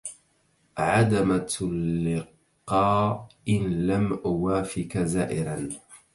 عدمت اللقا إن لم أوافك زائرا